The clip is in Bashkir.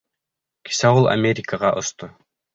Кисә ул Америкаға осто.